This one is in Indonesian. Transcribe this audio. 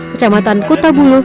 kecamatan kota bungu